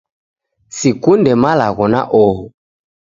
Sikunde malagho na oho